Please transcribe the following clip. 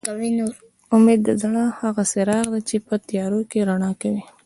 اميد د زړه هغه څراغ دي چې په تيارو کې رڼا کوي